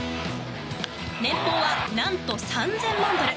年俸はなんと３０００万ドル。